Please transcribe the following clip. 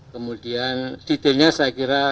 kemudian detailnya saya kira